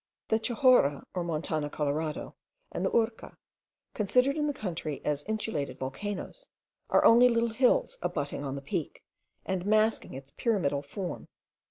The Chahorra, or Montana Colorada, and the Urca, considered in the country as insulated volcanoes, are only little hills abutting on the peak, and masking its pyramidal form.